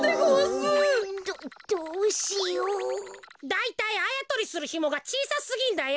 だいたいあやとりするひもがちいさすぎんだよ。